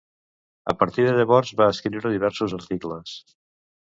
A partir de llavors va escriure diversos articles.